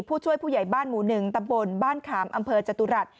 ผู้ช่วยผู้ใหญ่บ้านหมู่๑ตำบลบ้านขามอำเภอจตุรัส